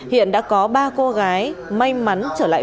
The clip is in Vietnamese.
hiện đã có ba cô gái may mắn trở lại